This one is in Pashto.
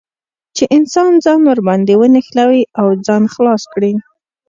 چې انسان ځان ور باندې ونښلوي او ځان خلاص کړي.